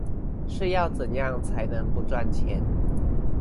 是要怎樣才能不賺錢